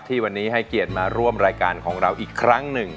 ที่วันนี้ให้เกียรติมาร่วมรายการของเราอีกครั้งหนึ่ง